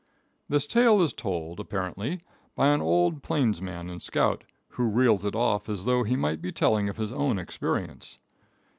This tale is told, apparently, by an old plainsman and scout, who reels it off as though he might be telling his own experience.